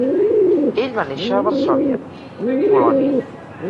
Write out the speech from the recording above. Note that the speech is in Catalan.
Ell va néixer a Varsòvia, Polònia.